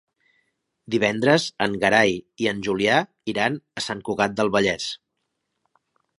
Divendres en Gerai i en Julià iran a Sant Cugat del Vallès.